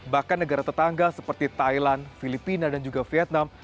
bahkan negara tetangga seperti thailand filipina dan juga vietnam